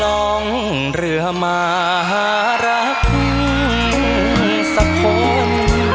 ลองเรือหมาหารักภูมิสักคน